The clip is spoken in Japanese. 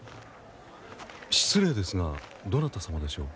失礼ですがどなた様でしょう？